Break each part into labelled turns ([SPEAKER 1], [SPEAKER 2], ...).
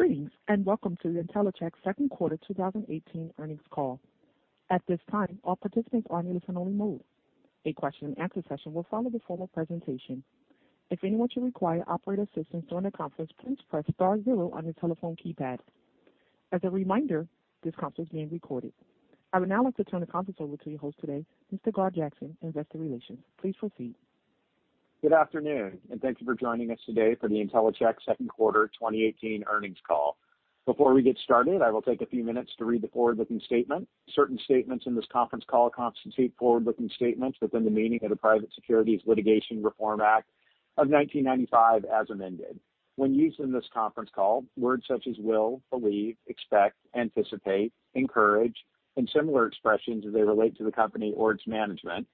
[SPEAKER 1] Greetings and welcome to the Intellicheck Second Quarter 2018 Earnings Call. At this time, all participants are in listen-only mode. A question and answer session will follow the formal presentation. If anyone should require operator assistance during the conference, please press Star zero on your telephone keypad. As a reminder, this conference is being recorded. I would now like to turn the conference over to your host today, Mr. Gar Jackson, Investor Relations. Please proceed.
[SPEAKER 2] Good afternoon and thank you for joining us today for the Intellicheck Second Quarter 2018 Earnings Call. Before we get started, I will take a few minutes to read the forward-looking statement. Certain statements in this conference call constitute forward-looking statements within the meaning of the Private Securities Litigation Reform Act of 1995 as amended. When used in this conference call, words such as will, believe, expect, anticipate, encourage, and similar expressions as they relate to the company or its management,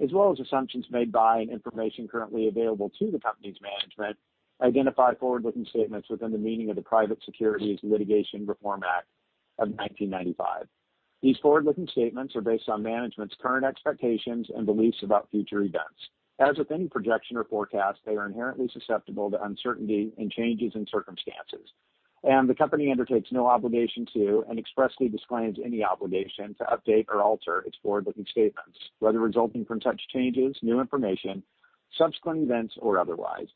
[SPEAKER 2] as well as assumptions made by and information currently available to the company's management, identify forward-looking statements within the meaning of the Private Securities Litigation Reform Act of 1995. These forward-looking statements are based on management's current expectations and beliefs about future events. As with any projection or forecast, they are inherently susceptible to uncertainty and changes in circumstances, and the company undertakes no obligation to and expressly disclaims any obligation to update or alter its forward-looking statements, whether resulting from such changes, new information, subsequent events, or otherwise.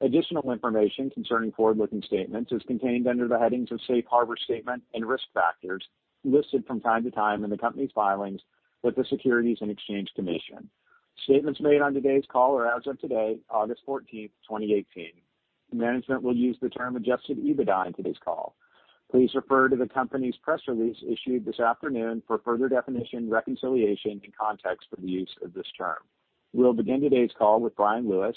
[SPEAKER 2] Additional information concerning forward-looking statements is contained under the headings of Safe Harbor Statement and Risk Factors listed from time to time in the company's filings with the Securities and Exchange Commission. Statements made on today's call are as of today, August 14, 2018. Management will use the term Adjusted EBITDA in today's call. Please refer to the company's press release issued this afternoon for further definition, reconciliation, and context for the use of this term. We'll begin today's call with Bryan Lewis,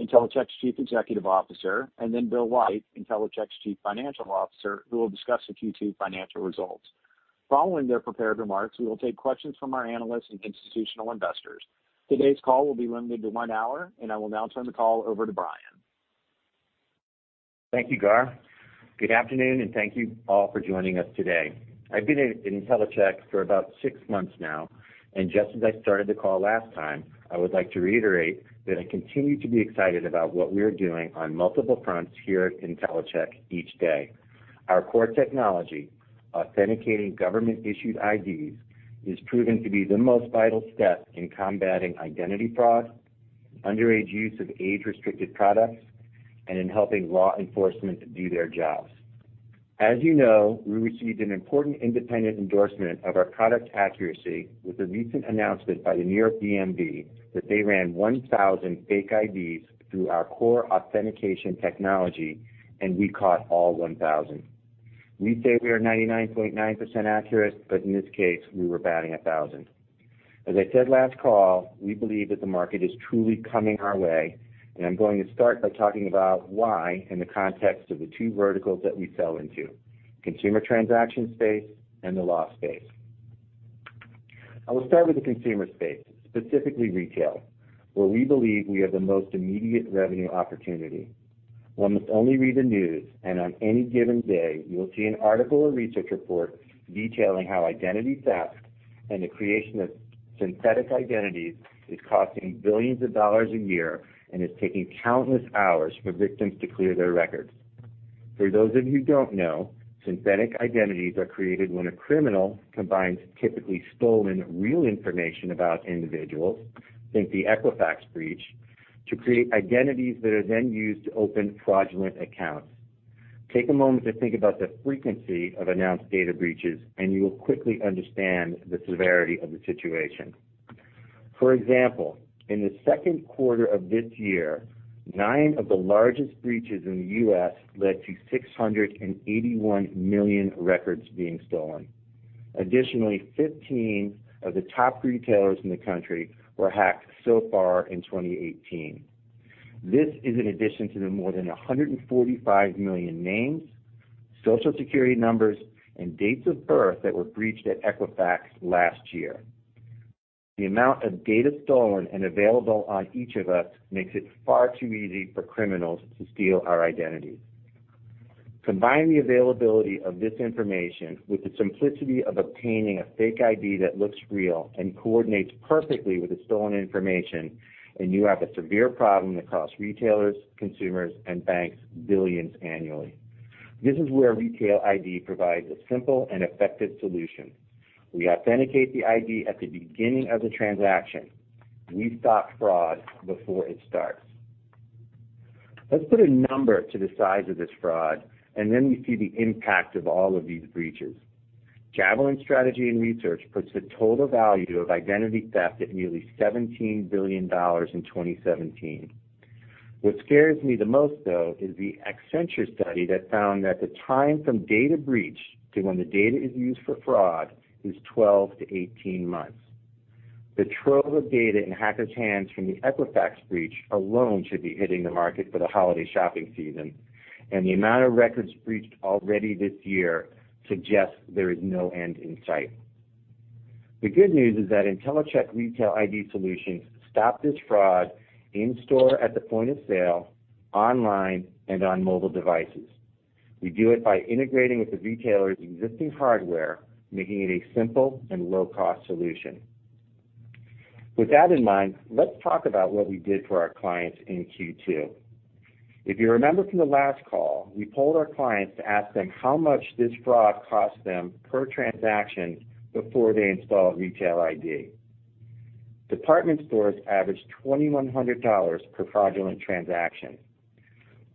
[SPEAKER 2] Intellicheck's Chief Executive Officer, and then Bill White, Intellicheck's Chief Financial Officer, who will discuss the Q2 financial results. Following their prepared remarks, we will take questions from our analysts and institutional investors. Today's call will be limited to one hour, and I will now turn the call over to Bryan.
[SPEAKER 3] Thank you, Gar. Good afternoon and thank you all for joining us today. I've been at Intellicheck for about six months now, and just as I started the call last time, I would like to reiterate that I continue to be excited about what we are doing on multiple fronts here at Intellicheck each day. Our core technology, authenticating government-issued IDs, is proven to be the most vital step in combating identity fraud, underage use of age-restricted products, and in helping law enforcement do their jobs. As you know, we received an important independent endorsement of our product accuracy with a recent announcement by the New York DMV that they ran 1,000 fake IDs through our core authentication technology, and we caught all 1,000. We say we are 99.9% accurate, but in this case, we were batting 1,000. As I said last call, we believe that the market is truly coming our way, and I'm going to start by talking about why in the context of the two verticals that we sell into: consumer transaction space and the law space. I will start with the consumer space, specifically retail, where we believe we have the most immediate revenue opportunity. One must only read the news, and on any given day, you'll see an article or research report detailing how identity theft and the creation of synthetic identities is costing billions of dollars a year and is taking countless hours for victims to clear their records. For those of you who don't know, synthetic identities are created when a criminal combines typically stolen real information about individuals, think the Equifax breach, to create identities that are then used to open fraudulent accounts. Take a moment to think about the frequency of announced data breaches, and you will quickly understand the severity of the situation. For example, in the second quarter of this year, nine of the largest breaches in the U.S. led to 681 million records being stolen. Additionally, 15 of the top retailers in the country were hacked so far in 2018. This is in addition to the more than 145 million names, Social Security numbers, and dates of birth that were breached at Equifax last year. The amount of data stolen and available on each of us makes it far too easy for criminals to steal our identities. Combine the availability of this information with the simplicity of obtaining a fake ID that looks real and coordinates perfectly with the stolen information, and you have a severe problem that costs retailers, consumers, and banks billions annually. This is where Retail ID provides a simple and effective solution. We authenticate the ID at the beginning of the transaction. We stop fraud before it starts. Let's put a number to the size of this fraud, and then we see the impact of all of these breaches. Javelin Strategy and Research puts the total value of identity theft at nearly $17 billion in 2017. What scares me the most, though, is the Accenture study that found that the time from data breach to when the data is used for fraud is 12-18 months. The trove of data in hackers' hands from the Equifax breach alone should be hitting the market for the holiday shopping season, and the amount of records breached already this year suggests there is no end in sight. The good news is that Intellicheck Retail ID solutions stop this fraud in store at the point of sale, online, and on mobile devices. We do it by integrating with the retailer's existing hardware, making it a simple and low-cost solution. With that in mind, let's talk about what we did for our clients in Q2. If you remember from the last call, we polled our clients to ask them how much this fraud cost them per transaction before they installed Retail ID. Department stores averaged $2,100 per fraudulent transaction.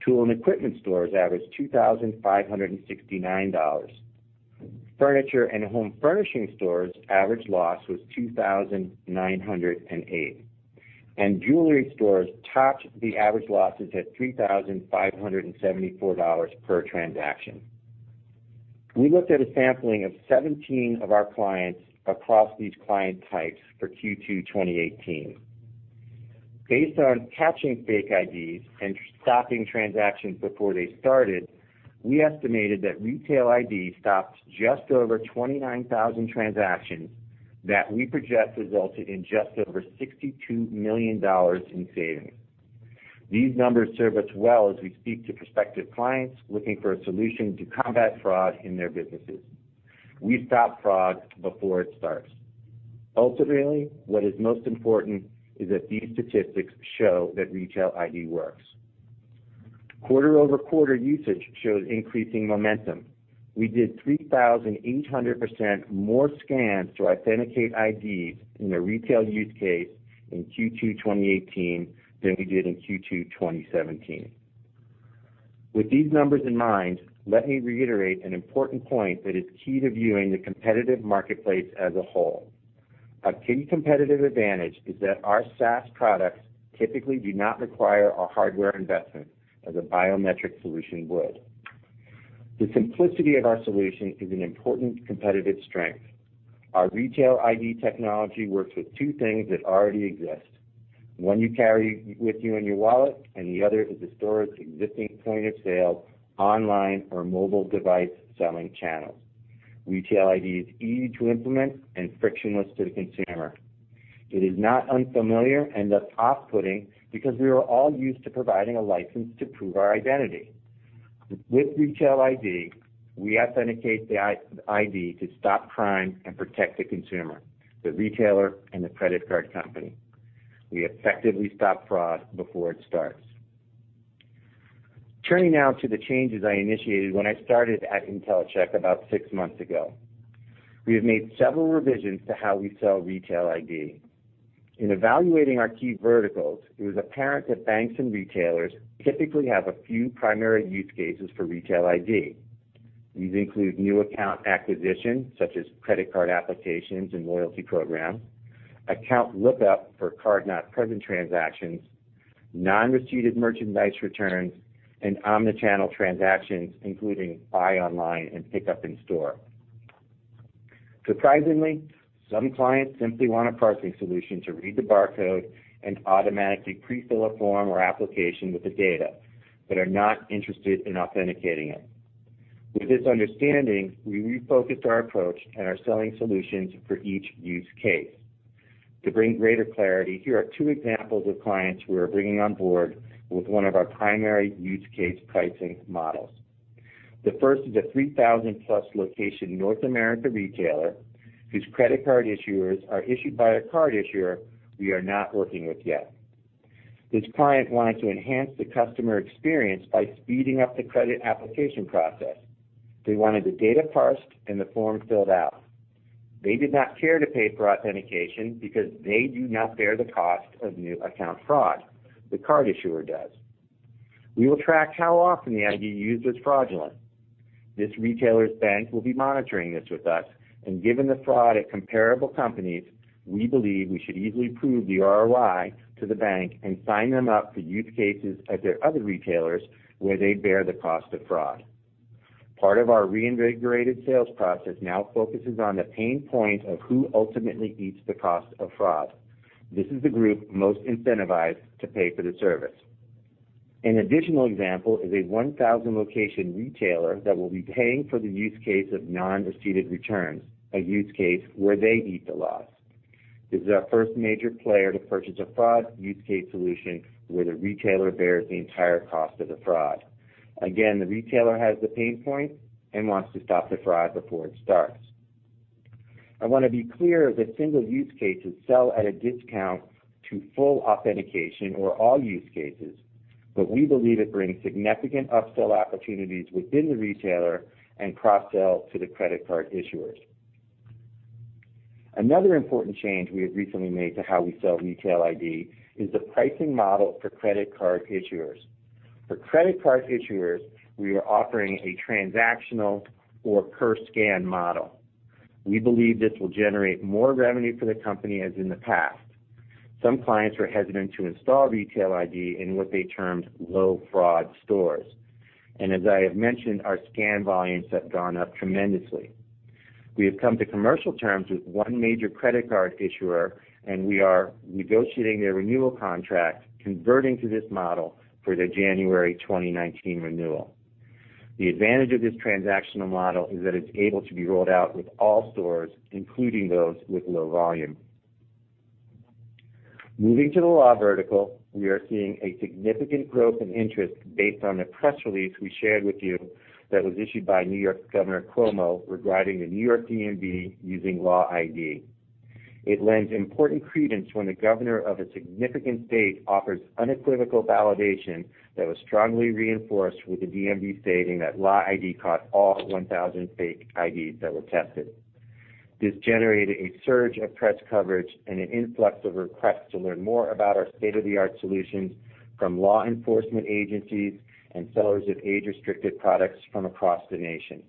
[SPEAKER 3] Tool and equipment stores averaged $2,569. Furniture and home furnishing stores' average loss was $2,908, and jewelry stores topped the average losses at $3,574 per transaction. We looked at a sampling of 17 of our clients across these client types for Q2 2018. Based on catching fake IDs and stopping transactions before they started, we estimated that Retail ID stopped just over 29,000 transactions that we project resulted in just over $62 million in savings. These numbers serve us well as we speak to prospective clients looking for a solution to combat fraud in their businesses. We stop fraud before it starts. Ultimately, what is most important is that these statistics show that Retail ID works. Quarter-over-quarter usage shows increasing momentum. We did 3,800% more scans to authenticate IDs in the retail use case in Q2 2018 than we did in Q2 2017. With these numbers in mind, let me reiterate an important point that is key to viewing the competitive marketplace as a whole. Our key competitive advantage is that our SaaS products typically do not require a hardware investment, as a biometric solution would. The simplicity of our solution is an important competitive strength. Our Retail ID technology works with two things that already exist. One you carry with you in your wallet, and the other is a stored existing point of sale online or mobile device selling channel. Retail ID is easy to implement and frictionless to the consumer. It is not unfamiliar and thus off-putting because we are all used to providing a license to prove our identity. With Retail ID, we authenticate the ID to stop crime and protect the consumer, the retailer, and the credit card company. We effectively stop fraud before it starts. Turning now to the changes I initiated when I started at Intellicheck about six months ago. We have made several revisions to how we sell Retail ID. In evaluating our key verticals, it was apparent that banks and retailers typically have a few primary use cases for Retail ID. These include new account acquisitions, such as credit card applications and loyalty programs, account lookup for card-not-present transactions, non-receipted merchandise returns, and omnichannel transactions, including buy online and pick up in store. Surprisingly, some clients simply want a parsing solution to read the barcode and automatically prefill a form or application with the data but are not interested in authenticating it. With this understanding, we refocused our approach and our selling solutions for each use case. To bring greater clarity, here are two examples of clients we are bringing on board with one of our primary use case pricing models. The first is a 3,000-plus location North America retailer whose credit card issuers are issued by a card issuer we are not working with yet. This client wanted to enhance the customer experience by speeding up the credit application process. They wanted the data parsed and the form filled out. They did not care to pay for authentication because they do not bear the cost of new account fraud. The card issuer does. We will track how often the ID used was fraudulent. This retailer's bank will be monitoring this with us, and given the fraud at comparable companies, we believe we should easily prove the ROI to the bank and sign them up for use cases at their other retailers where they bear the cost of fraud. Part of our reinvigorated sales process now focuses on the pain point of who ultimately eats the cost of fraud. This is the group most incentivized to pay for the service. An additional example is a 1,000-location retailer that will be paying for the use case of non-receipted returns, a use case where they eat the loss. This is our first major player to purchase a fraud use case solution where the retailer bears the entire cost of the fraud. Again, the retailer has the pain point and wants to stop the fraud before it starts. I want to be clear that single use cases sell at a discount to full authentication or all use cases, but we believe it brings significant upsell opportunities within the retailer and cross-sell to the credit card issuers. Another important change we have recently made to how we sell Retail ID is the pricing model for credit card issuers. For credit card issuers, we are offering a transactional or per-scan model. We believe this will generate more revenue for the company as in the past. Some clients were hesitant to install retail ID in what they termed low-fraud stores, and as I have mentioned, our scan volumes have gone up tremendously. We have come to commercial terms with one major credit card issuer, and we are negotiating their renewal contract, converting to this model for their January 2019 renewal. The advantage of this transactional model is that it's able to be rolled out with all stores, including those with low volume. Moving to the law vertical, we are seeing a significant growth in interest based on the press release we shared with you that was issued by New York Governor Cuomo regarding the New York DMV using Law ID. It lends important credence when the governor of a significant state offers unequivocal validation that was strongly reinforced with the DMV stating that Law ID caught all 1,000 fake IDs that were tested. This generated a surge of press coverage and an influx of requests to learn more about our state-of-the-art solutions from law enforcement agencies and sellers of age-restricted products from across the nation.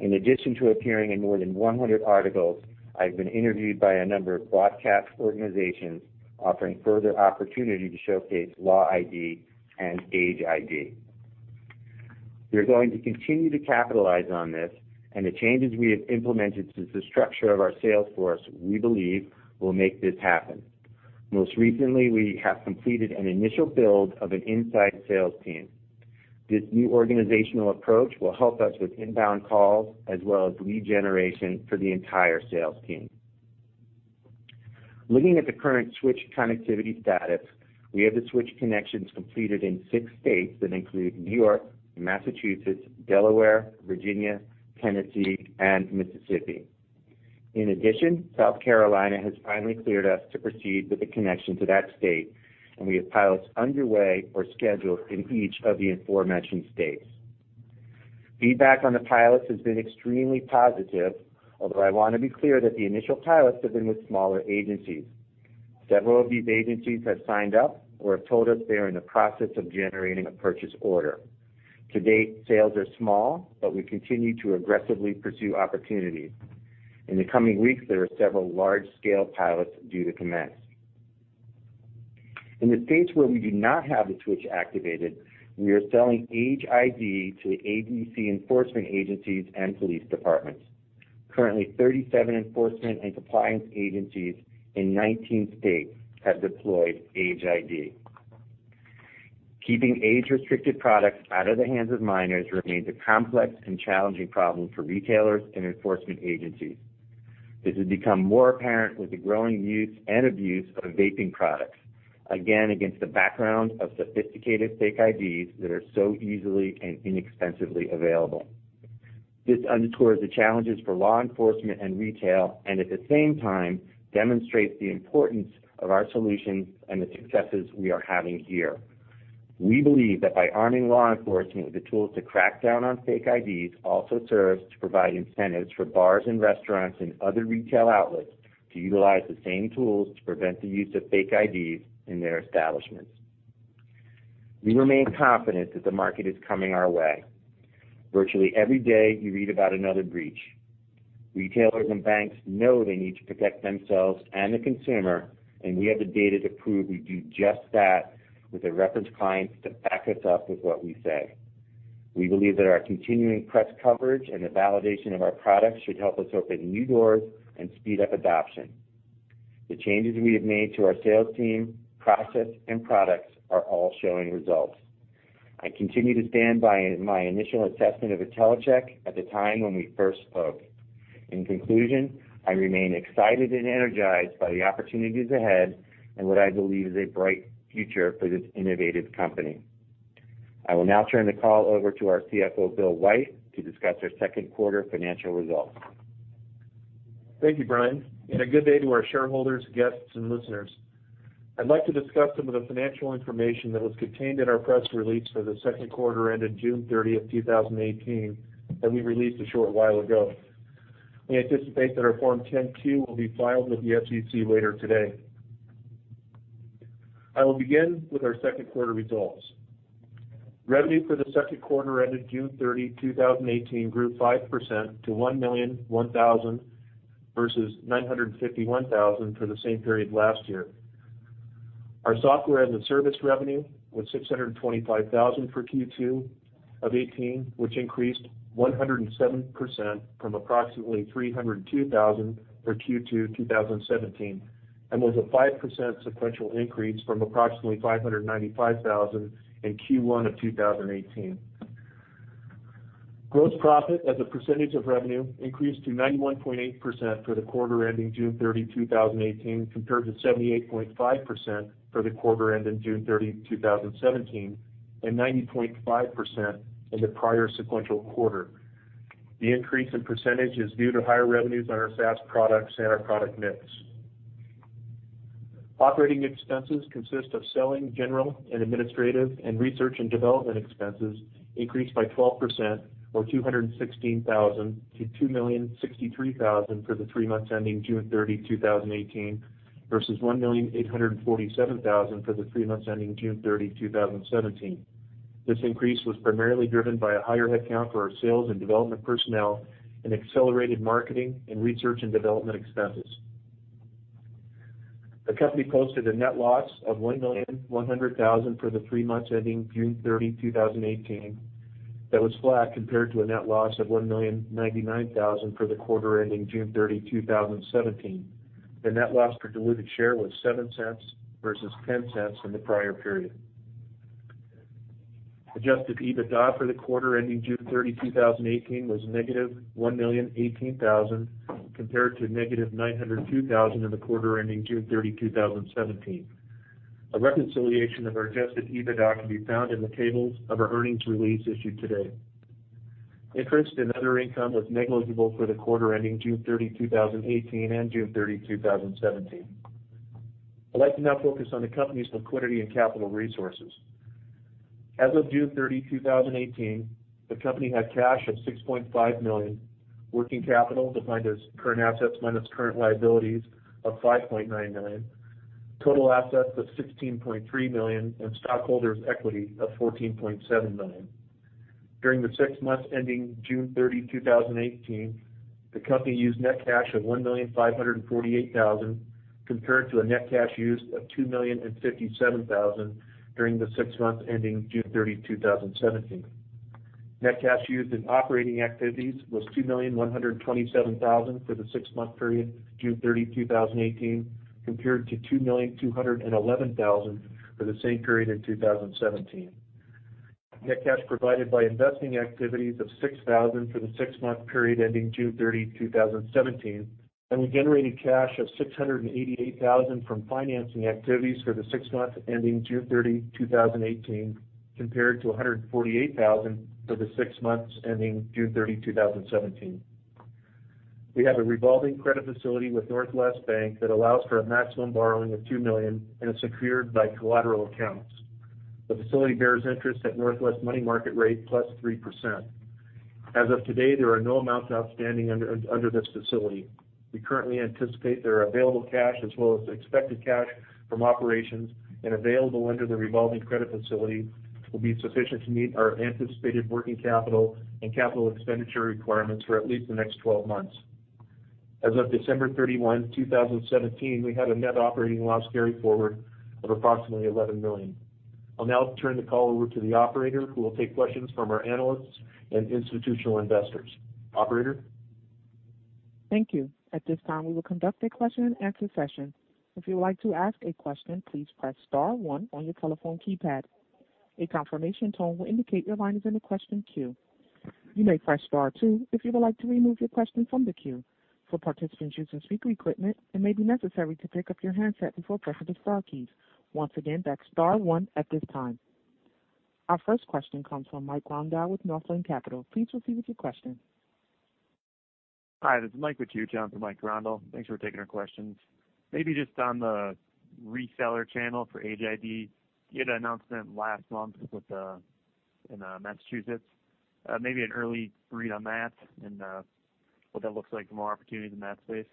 [SPEAKER 3] In addition to appearing in more than 100 articles, I've been interviewed by a number of broadcast organizations offering further opportunity to showcase Law ID and Age ID. We are going to continue to capitalize on this, and the changes we have implemented to the structure of our sales force, we believe, will make this happen. Most recently, we have completed an initial build of an inside sales team. This new organizational approach will help us with inbound calls as well as lead generation for the entire sales team. Looking at the current switch connectivity status, we have the switch connections completed in six states that include New York, Massachusetts, Delaware, Virginia, Tennessee, and Mississippi. In addition, South Carolina has finally cleared us to proceed with the connection to that state, and we have pilots underway or scheduled in each of the aforementioned states. Feedback on the pilots has been extremely positive, although I want to be clear that the initial pilots have been with smaller agencies. Several of these agencies have signed up or have told us they are in the process of generating a purchase order. To date, sales are small, but we continue to aggressively pursue opportunities. In the coming weeks, there are several large-scale pilots due to commence. In the states where we do not have the switch activated, we are selling Age ID to the ABC enforcement agencies and police departments. Currently, 37 enforcement and compliance agencies in 19 states have deployed Age ID. Keeping age-restricted products out of the hands of minors remains a complex and challenging problem for retailers and enforcement agencies. This has become more apparent with the growing use and abuse of vaping products, again against the background of sophisticated fake IDs that are so easily and inexpensively available. This underscores the challenges for law enforcement and retail and, at the same time, demonstrates the importance of our solutions and the successes we are having here. We believe that by arming law enforcement with the tools to crack down on fake IDs also serves to provide incentives for bars and restaurants and other retail outlets to utilize the same tools to prevent the use of fake IDs in their establishments. We remain confident that the market is coming our way. Virtually every day, you read about another breach. Retailers and banks know they need to protect themselves and the consumer, and we have the data to prove we do just that with a reference client to back us up with what we say. We believe that our continuing press coverage and the validation of our products should help us open new doors and speed up adoption. The changes we have made to our sales team, process, and products are all showing results. I continue to stand by my initial assessment of Intellicheck at the time when we first spoke. In conclusion, I remain excited and energized by the opportunities ahead and what I believe is a bright future for this innovative company. I will now turn the call over to our CFO, Bill White, to discuss our second quarter financial results.
[SPEAKER 4] Thank you, Bryan, and a good day to our shareholders, guests, and listeners. I'd like to discuss some of the financial information that was contained in our press release for the second quarter ended June 30, 2018, that we released a short while ago. We anticipate that our Form 10-Q will be filed with the SEC later today. I will begin with our second quarter results. Revenue for the second quarter ended June 30, 2018, grew 5% to $1,001,000 versus $951,000 for the same period last year. Our Software as a Service revenue was $625,000 for Q2 of 2018, which increased 107% from approximately $302,000 for Q2 2017 and was a 5% sequential increase from approximately $595,000 in Q1 of 2018. Gross profit as a percentage of revenue increased to 91.8% for the quarter ending June 30, 2018, compared to 78.5% for the quarter ending June 30, 2017, and 90.5% in the prior sequential quarter. The increase in percentage is due to higher revenues on our SaaS products and our product mix. Operating expenses consist of selling, general, and administrative and research and development expenses increased by 12%, or $216,000, to $2,063,000 for the three months ending June 30, 2018, versus $1,847,000 for the three months ending June 30, 2017. This increase was primarily driven by a higher headcount for our sales and development personnel and accelerated marketing and research and development expenses. The company posted a net loss of $1,100,000 for the three months ending June 30, 2018. That was flat compared to a net loss of $1,099,000 for the quarter ending June 30, 2017. The net loss per diluted share was $0.07 versus $0.10 in the prior period. Adjusted EBITDA for the quarter ending June 30, 2018, was negative $1,018,000 compared to negative $902,000 in the quarter ending June 30, 2017. A reconciliation of our adjusted EBITDA can be found in the tables of our earnings release issued today. Interest and other income was negligible for the quarter ending June 30, 2018, and June 30, 2017. I'd like to now focus on the company's liquidity and capital resources. As of June 30, 2018, the company had cash of $6.5 million, working capital defined as current assets minus current liabilities of $5.9 million, total assets of $16.3 million, and stockholders' equity of $14.7 million. During the six months ending June 30, 2018, the company used net cash of $1,548,000 compared to a net cash used of $2,057,000 during the six months ending June 30, 2017. Net cash used in operating activities was $2,127,000 for the six-month period June 30, 2018, compared to $2,211,000 for the same period in 2017. Net cash provided by investing activities of $6,000 for the six-month period ending June 30, 2017, and we generated cash of $688,000 from financing activities for the six months ending June 30, 2018, compared to $148,000 for the six months ending June 30, 2017. We have a revolving credit facility with Northwest Bank that allows for a maximum borrowing of $2 million and is secured by collateral accounts. The facility bears interest at Northwest money market rate plus 3%. As of today, there are no amounts outstanding under this facility. We currently anticipate there are available cash as well as expected cash from operations and available under the revolving credit facility will be sufficient to meet our anticipated working capital and capital expenditure requirements for at least the next 12 months. As of December 31, 2017, we had a net operating loss carryforward of approximately $11 million. I'll now turn the call over to the operator, who will take questions from our analysts and institutional investors. Operator.
[SPEAKER 1] Thank you. At this time, we will conduct a question-and-answer session. If you would like to ask a question, please press Star 1 on your telephone keypad. A confirmation tone will indicate your line is in the question queue. You may press Star 2 if you would like to remove your question from the queue. For participants using speaker equipment, it may be necessary to pick up your handset before pressing the Star keys. Once again, that's Star 1 at this time. Our first question comes from Mike Grondahl with Northland Capital. Please proceed with your question.
[SPEAKER 5] Hi, this is Mike Grondahl with Northland Capital. Thanks for taking our questions. Maybe just on the reseller channel for Age ID, you had an announcement last month in Massachusetts. Maybe an early read on that and what that looks like from our opportunities in that space.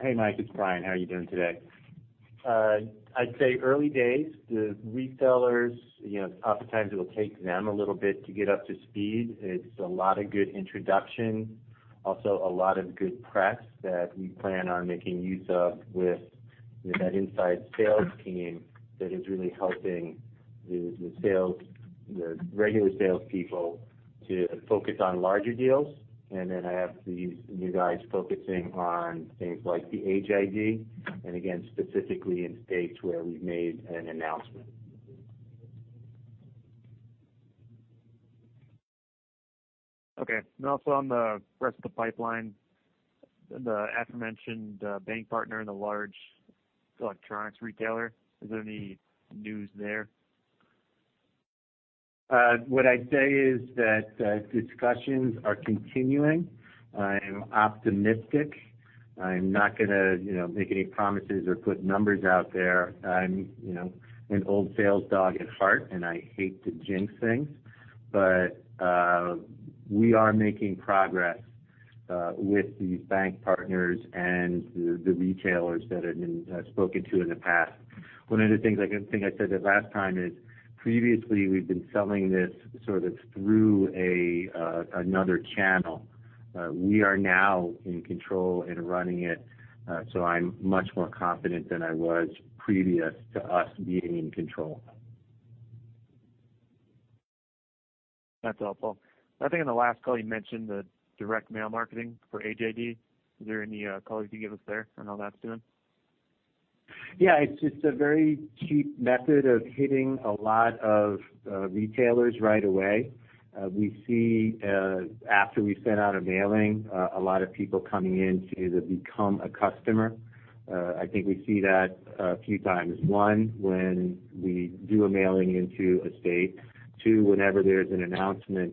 [SPEAKER 3] Hey, Mike. It's Bryan. How are you doing today? I'd say early days. The resellers, oftentimes it will take them a little bit to get up to speed. It's a lot of good introduction, also a lot of good press that we plan on making use of with that inside sales team that is really helping the regular salespeople to focus on larger deals. And then I have these new guys focusing on things like the Age ID, and again, specifically in states where we've made an announcement.
[SPEAKER 5] Okay. Now, so on the rest of the pipeline, the aforementioned bank partner and the large electronics retailer, is there any news there?
[SPEAKER 3] What I'd say is that discussions are continuing. I'm optimistic. I'm not going to make any promises or put numbers out there. I'm an old sales dog at heart, and I hate to jinx things, but we are making progress with these bank partners and the retailers that have been spoken to in the past. One of the things I think I said the last time is, previously, we've been selling this sort of through another channel. We are now in control and running it, so I'm much more confident than I was previous to us being in control.
[SPEAKER 5] That's helpful. I think in the last call, you mentioned the direct mail marketing for Age ID. Is there any call you can give us there on how that's doing?
[SPEAKER 3] Yeah. It's a very cheap method of hitting a lot of retailers right away. We see, after we send out a mailing, a lot of people coming in to become a customer. I think we see that a few times. One, when we do a mailing into a state. Two, whenever there's an announcement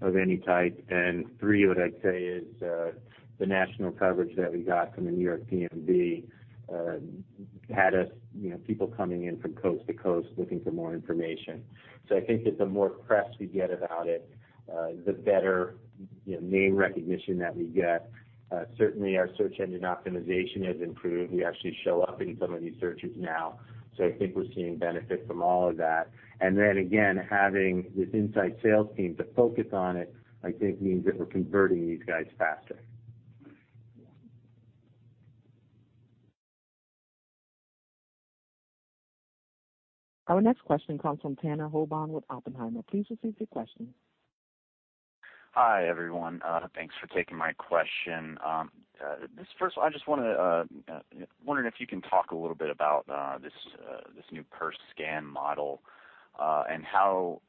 [SPEAKER 3] of any type. And three, what I'd say is the national coverage that we got from the New York DMV had us people coming in from coast to coast looking for more information. So I think that the more press we get about it, the better name recognition that we get. Certainly, our search engine optimization has improved. We actually show up in some of these searches now. So I think we're seeing benefit from all of that. And then again, having this inside sales team to focus on it, I think, means that we're converting these guys faster.
[SPEAKER 1] Our next question comes from Tanner Hoban with Oppenheimer. Please proceed with your question.
[SPEAKER 6] Hi, everyone. Thanks for taking my question. First, I just want to wonder if you can talk a little bit about this new per-scan model and how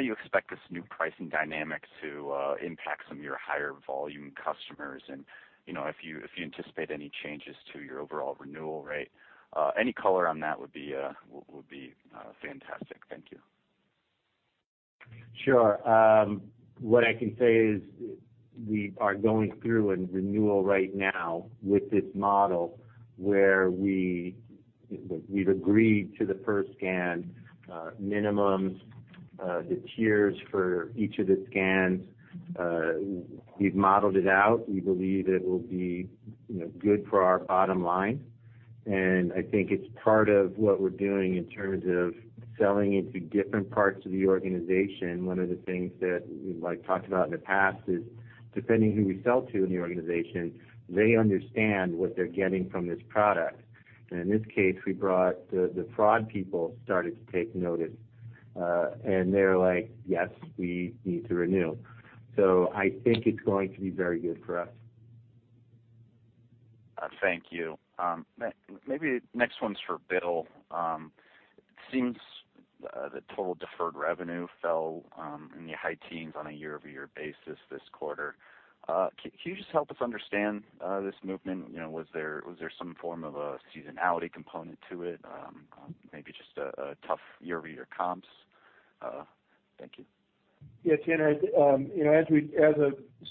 [SPEAKER 6] you expect this new pricing dynamic to impact some of your higher volume customers and if you anticipate any changes to your overall renewal rate? Any color on that would be fantastic. Thank you.
[SPEAKER 3] Sure. What I can say is we are going through a renewal right now with this model where we've agreed to the per-scan minimums, the tiers for each of the scans. We've modeled it out. We believe it will be good for our bottom line, and I think it's part of what we're doing in terms of selling into different parts of the organization. One of the things that we've talked about in the past is, depending who we sell to in the organization, they understand what they're getting from this product. And in this case, we brought the fraud people started to take notice, and they're like, "Yes, we need to renew." So I think it's going to be very good for us.
[SPEAKER 6] Thank you. Maybe the next one's for Bill. It seems the total deferred revenue fell in the high teens on a year-over-year basis this quarter. Can you just help us understand this movement? Was there some form of a seasonality component to it? Maybe just a tough year-over-year comps? Thank you.
[SPEAKER 4] Yeah. Tanner, as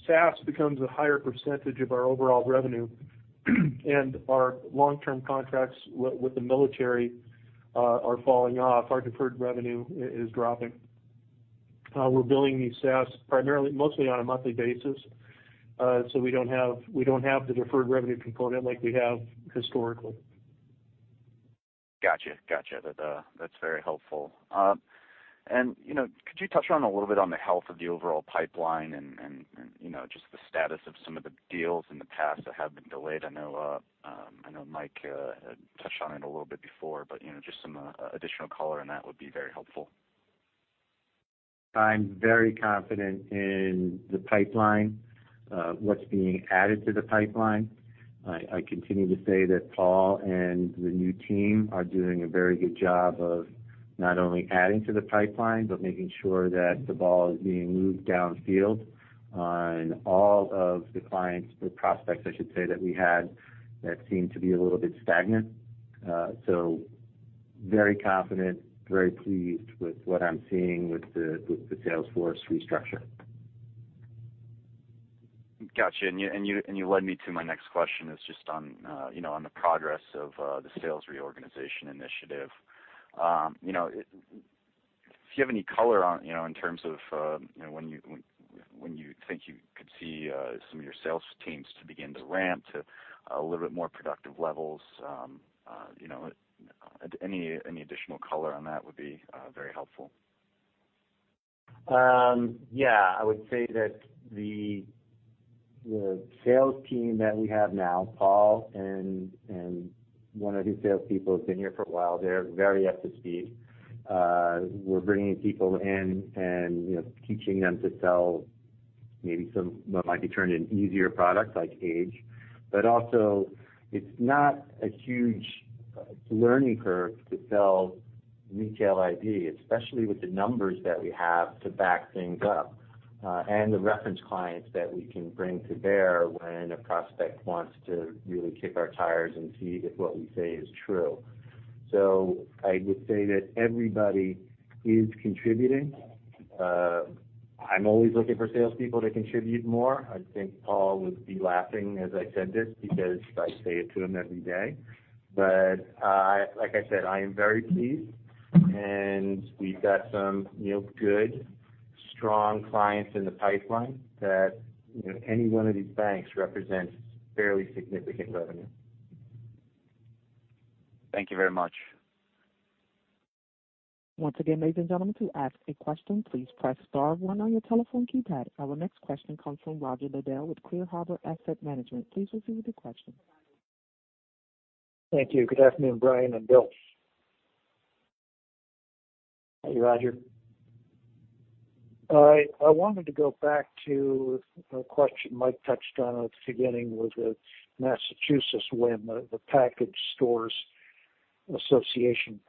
[SPEAKER 4] SaaS becomes a higher percentage of our overall revenue and our long-term contracts with the military are falling off, our deferred revenue is dropping. We're billing these SaaS mostly on a monthly basis, so we don't have the deferred revenue component like we have historically.
[SPEAKER 6] Gotcha. Gotcha. That's very helpful. Could you touch on a little bit on the health of the overall pipeline and just the status of some of the deals in the past that have been delayed? I know Mike had touched on it a little bit before, but just some additional color on that would be very helpful.
[SPEAKER 4] I'm very confident in the pipeline, what's being added to the pipeline. I continue to say that Paul and the new team are doing a very good job of not only adding to the pipeline but making sure that the ball is being moved downfield on all of the clients or prospects, I should say, that we had that seem to be a little bit stagnant. So very confident, very pleased with what I'm seeing with the sales force restructure.
[SPEAKER 6] Gotcha. You led me to my next question is just on the progress of the sales reorganization initiative. If you have any color in terms of when you think you could see some of your sales teams to begin to ramp to a little bit more productive levels, any additional color on that would be very helpful.
[SPEAKER 4] Yeah. I would say that the sales team that we have now, Paul and one of his salespeople has been here for a while. They're very up to speed. We're bringing people in and teaching them to sell maybe some what might be turned into an easier product like age. But also, it's not a huge learning curve to sell Retail ID, especially with the numbers that we have to back things up and the reference clients that we can bring to bear when a prospect wants to really kick our tires and see if what we say is true. So I would say that everybody is contributing. I'm always looking for salespeople to contribute more. I think Paul would be laughing as I said this because I say it to him every day. But like I said, I am very pleased, and we've got some good, strong clients in the pipeline that any one of these banks represents fairly significant revenue.
[SPEAKER 6] Thank you very much.
[SPEAKER 1] Once again, ladies and gentlemen, to ask a question, please press Star 1 on your telephone keypad. Our next question comes from Roger Liddell with Clear Harbor Asset Management. Please proceed with your question.
[SPEAKER 7] Thank you. Good afternoon, Bryan and Bill.
[SPEAKER 3] Hey, Roger.
[SPEAKER 7] I wanted to go back to a question Mike touched on at the beginning with the Massachusetts Package Stores Association.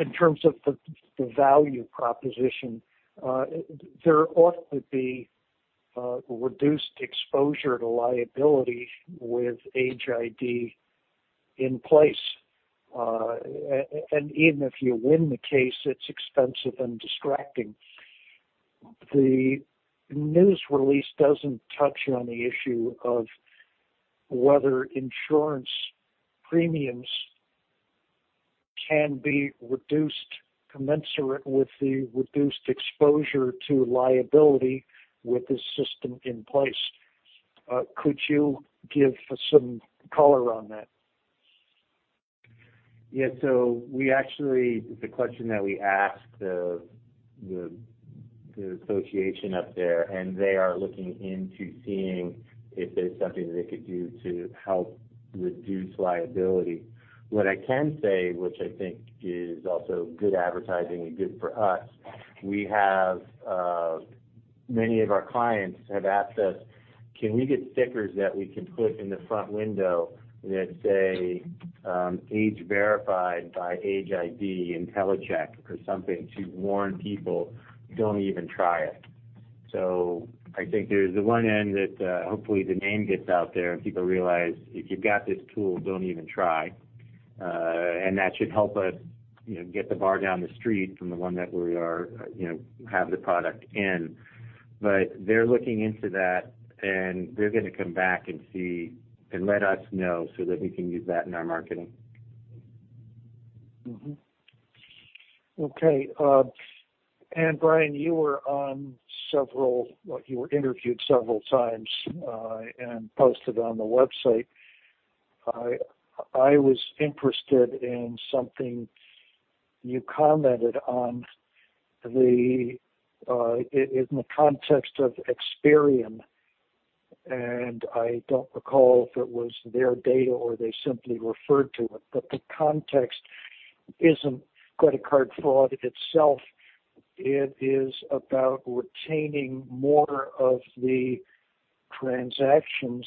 [SPEAKER 7] In terms of the value proposition, there ought to be reduced exposure to liability with Age ID in place. And even if you win the case, it's expensive and distracting. The news release doesn't touch on the issue of whether insurance premiums can be reduced commensurate with the reduced exposure to liability with the system in place. Could you give some color on that?
[SPEAKER 4] Yeah. So the question that we asked the association up there, and they are looking into seeing if there's something that they could do to help reduce liability. What I can say, which I think is also good advertising and good for us, many of our clients have asked us, "Can we get stickers that we can put in the front window that say age verified by Age ID and Intellicheck or something to warn people, 'Don't even try it'?" So I think there's the one end that hopefully the name gets out there and people realize, "If you've got this tool, don't even try." And that should help us get the bar down the street from the one that we have the product in. But they're looking into that, and they're going to come back and let us know so that we can use that in our marketing.
[SPEAKER 7] Okay. And Bryan, you were interviewed several times and posted on the website. I was interested in something you commented on in the context of Experian, and I don't recall if it was their data or they simply referred to it. But the context isn't credit card fraud itself. It is about retaining more of the transactions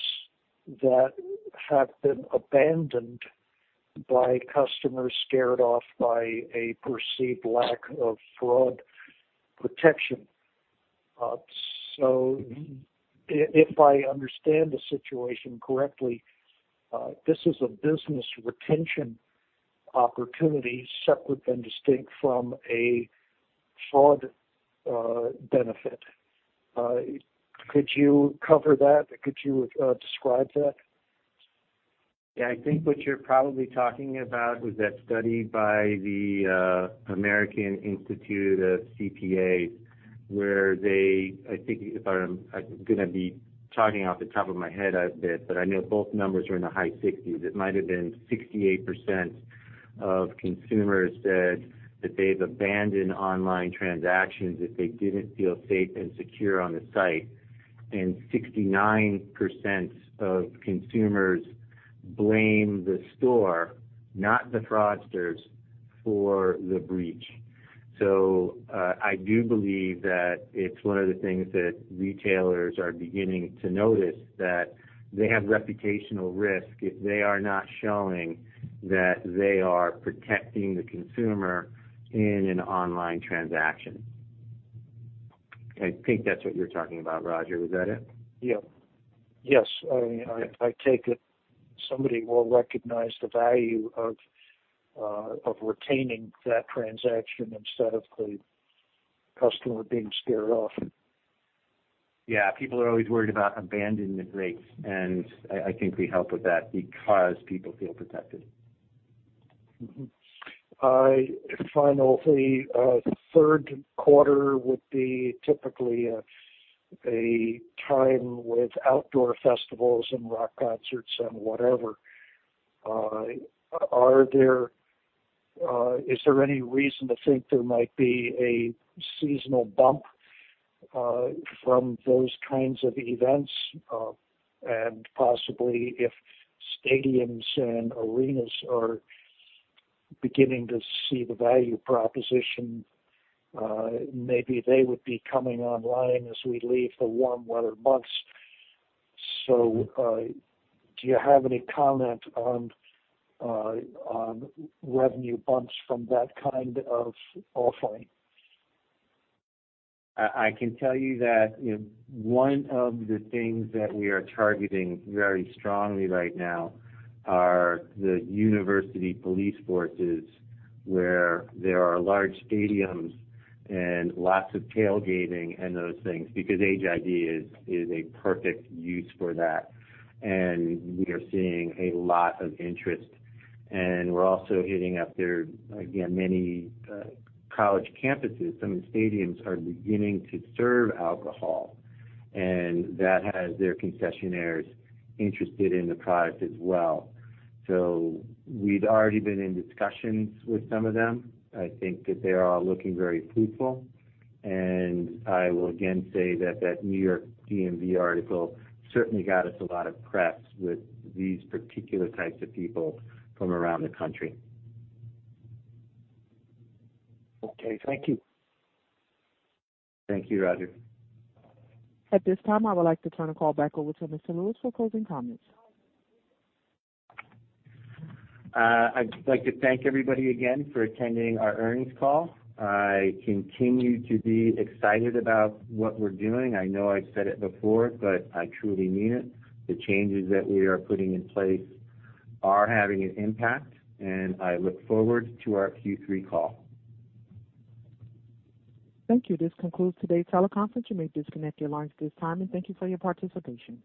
[SPEAKER 7] that have been abandoned by customers scared off by a perceived lack of fraud protection. So if I understand the situation correctly, this is a business retention opportunity separate and distinct from a fraud benefit. Could you cover that? Could you describe that?
[SPEAKER 3] Yeah. I think what you're probably talking about was that study by the American Institute of CPAs where they I think if I'm going to be talking off the top of my head a bit, but I know both numbers are in the high 60s. It might have been 68% of consumers said that they've abandoned online transactions if they didn't feel safe and secure on the site. And 69% of consumers blame the store, not the fraudsters, for the breach. So I do believe that it's one of the things that retailers are beginning to notice that they have reputational risk if they are not showing that they are protecting the consumer in an online transaction. I think that's what you're talking about, Roger. Was that it?
[SPEAKER 7] Yeah. Yes. I take it somebody will recognize the value of retaining that transaction instead of the customer being scared off.
[SPEAKER 3] Yeah. People are always worried about abandonment rates, and I think we help with that because people feel protected.
[SPEAKER 7] Finally, third quarter would be typically a time with outdoor festivals and rock concerts and whatever. Is there any reason to think there might be a seasonal bump from those kinds of events? And possibly, if stadiums and arenas are beginning to see the value proposition, maybe they would be coming online as we leave the warm weather months. So do you have any comment on revenue bumps from that kind of offering?
[SPEAKER 3] I can tell you that one of the things that we are targeting very strongly right now are the university police forces where there are large stadiums and lots of tailgating and those things because Age ID is a perfect use for that. And we are seeing a lot of interest. And we're also hitting up there, again, many college campuses. Some of the stadiums are beginning to serve alcohol, and that has their concessionaires interested in the product as well. So we've already been in discussions with some of them. I think that they are all looking very fruitful, and I will again say that that New York DMV article certainly got us a lot of press with these particular types of people from around the country.
[SPEAKER 7] Okay. Thank you.
[SPEAKER 3] Thank you, Roger.
[SPEAKER 1] At this time, I would like to turn the call back over to Mr. Lewis for closing comments.
[SPEAKER 3] I'd like to thank everybody again for attending our earnings call. I continue to be excited about what we're doing. I know I've said it before, but I truly mean it. The changes that we are putting in place are having an impact, and I look forward to our Q3 call.
[SPEAKER 1] Thank you. This concludes today's teleconference. You may disconnect at your lines at this time, and thank you for your participation.